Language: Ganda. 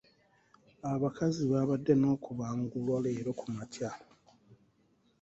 Abakazi baabadde n'okubangulwa leero ku makya.